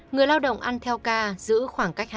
người lao động ăn theo ca giữ khoảng cách